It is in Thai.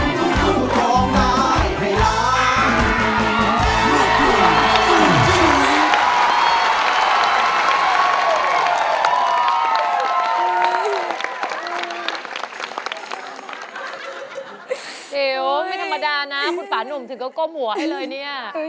เดี๋ยวไม่ธรรมดานะคุณป่านุ่มถึงก็ก้มหัวให้เลยเนี่ย